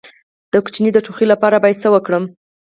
د ماشوم د ټوخي لپاره باید څه وکړم؟